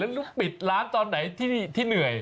ลูกปิดร้านตอนไหนที่เหนื่อย